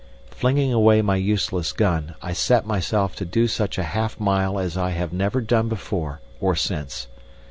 Flinging away my useless gun, I set myself to do such a half mile as I have never done before or since.